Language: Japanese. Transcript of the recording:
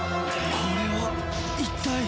これは一体。